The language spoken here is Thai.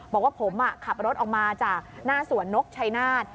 บอกว่าผมขับรถออกมาจากหน้าสวนนกชัยนาธ